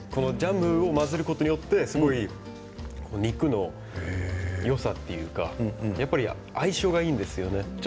これを混ぜることによって肉のよさというか相性がいいんですよね。